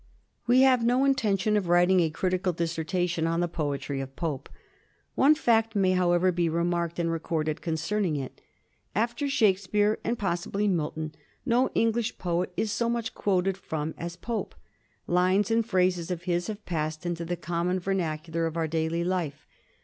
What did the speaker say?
We have no intention of writing a critical dissertation on the poetry of Pope. One fact may, however, be remarked and recorded concerning it. After Shakespeare, and pos sibly Milton, no English poet is so much quoted from as Pope. Lines and phrases of his have passed into the com mon vernacular of our daily life.